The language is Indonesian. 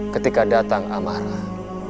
ketika datang amarah